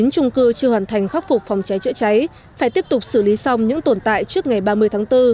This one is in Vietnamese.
chín trung cư chưa hoàn thành khắc phục phòng cháy chữa cháy phải tiếp tục xử lý xong những tồn tại trước ngày ba mươi tháng bốn